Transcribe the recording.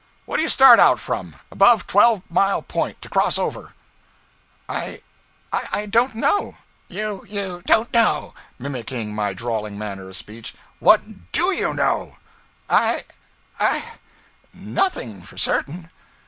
What do you start out from, above Twelve Mile Point, to cross over?' 'I I don't know.' 'You you don't know?' mimicking my drawling manner of speech. 'What do you know?' 'I I nothing, for certain.'